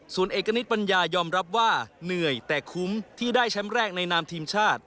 ส่วนเอกณิตปัญญายอมรับว่าเหนื่อยแต่คุ้มที่ได้แชมป์แรกในนามทีมชาติ